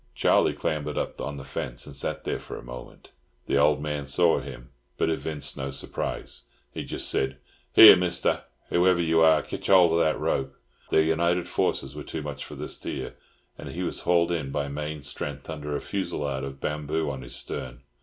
Charlie clambered up on the fence and sat there for a moment. The old man saw him, but evinced no surprise. He just said, "Here, Mister Who ever you are, kitch hold of that rope." Their united forces were too much for the steer, and he was hauled in by main strength under a fusillade of bamboo on his stern.